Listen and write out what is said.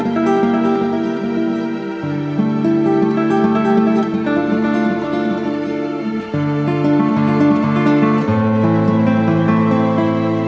yah yah ya